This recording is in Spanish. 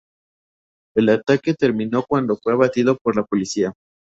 El ataque terminó cuando fue abatido por la policía.